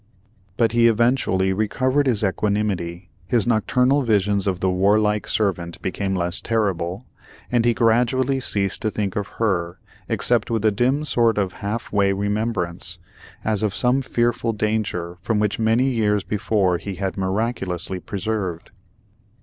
But he eventually recovered his equanimity, his nocturnal visions of the warlike servant became less terrible, and he gradually ceased to think of her, except with a dim sort of half way remembrance, as of some fearful danger, from which many years before he had been miraculously preserved.